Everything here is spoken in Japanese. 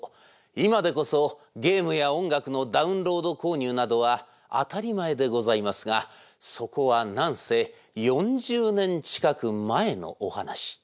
今でこそゲームや音楽のダウンロード購入などは当たり前でございますがそこは何せ４０年近く前のお話。